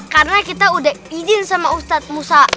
karena kita udah izin sama ustaz musa